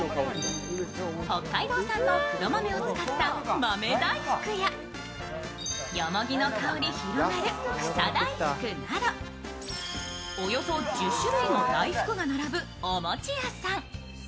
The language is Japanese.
北海道産の黒豆を使った豆大福やよもぎの香り広がる草大福などおよそ１０種類の大福が並ぶお餅屋さん。